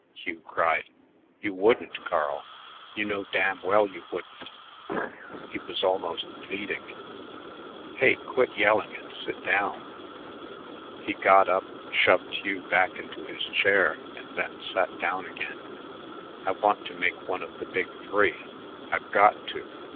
Hugh cried. "You wouldn't, Carl! You know damn well you wouldn't." He was almost pleading. "Hey, quit yelling and sit down." He got up, shoved Hugh back into his chair, and then sat down again. "I want to make one of the Big Three; I've got to.